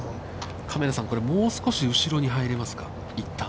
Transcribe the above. カメラさん、もう少し後ろに入れますか、一旦。